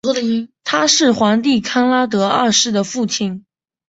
他是皇帝康拉德二世的父亲。